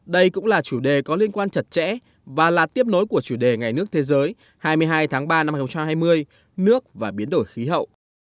đây cũng là chủ đề có liên quan chặt chẽ và là tiếp nối của chủ đề ngày nước thế giới hai mươi hai tháng ba năm hai nghìn hai mươi nước và biến đổi khí hậu